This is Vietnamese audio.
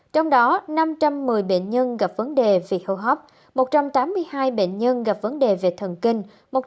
trong đó năm trăm một mươi bệnh nhân gặp vấn đề về hô hấp một trăm tám mươi hai bệnh nhân gặp vấn đề về thần kinh